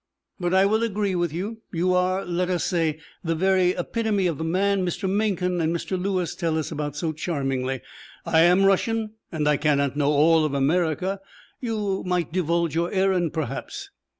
But I will agree with you. You are, let us say, the very epitome of the man Mr. Mencken and Mr. Lewis tell us about so charmingly. I am Russian and I cannot know all of America. You might divulge your errand, perhaps?"